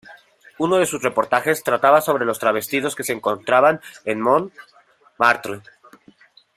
Uno de sus reportajes trataba sobre los travestidos que se encontraban en Montmartre.